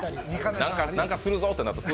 何かするぞってなったらもう。